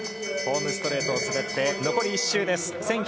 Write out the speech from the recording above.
ホームストレートを滑って残り１周です。